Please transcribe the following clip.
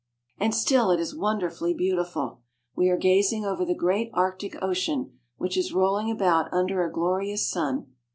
And still it is wonderfully beautiful. We are gazing over the great Arctic Ocean, which is rolling about under a glorious sun.